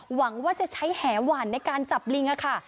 หวังว่าจะใช้แหหวานในการจับลิงค่ะ